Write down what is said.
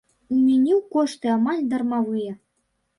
У меню кошты амаль дармавыя.